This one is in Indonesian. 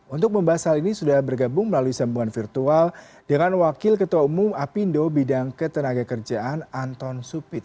untuk membahas hal ini sudah bergabung melalui sambungan virtual dengan wakil ketua umum apindo bidang ketenaga kerjaan anton supit